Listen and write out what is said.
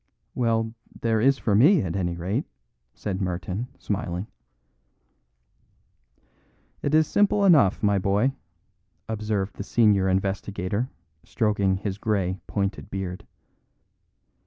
"Well, there is for me, at any rate," said Merton, smiling. "It is simple enough, my boy," observed the senior investigator, stroking his grey, pointed beard.